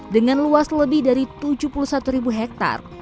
dengan luas lebih dari tujuh puluh satu ribu hektare